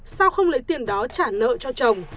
sao không lấy tiền đó trả nợ cho chồng